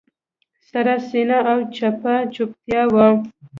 سړه سینه او چپه چوپتیا وه.